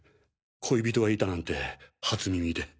恋人がいたなんて初耳で。